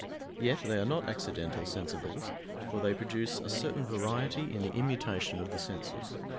Yet they are not accidental sensibles, for they produce a certain variety in the immutation of the senses.